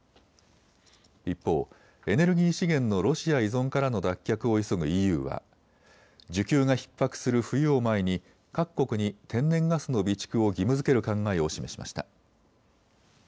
一方、エネルギー資源のロシア依存からの脱却を急ぐＥＵは、需給がひっ迫する冬を前に各国に天然ガスの備蓄を義務づける考えを示しました。